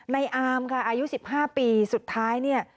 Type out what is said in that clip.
ในอารมณ์กับอายุ๑๕ปีสุดท้าย